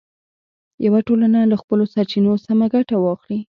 یوه ټولنه له خپلو سرچینو سمه ګټه واخلي.